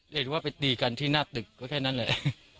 หรือว่าไปตีกันที่หน้าตึกก็แค่นั้นแหละ